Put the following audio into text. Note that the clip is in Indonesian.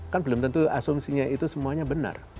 kan belum tentu asumsinya itu semuanya benar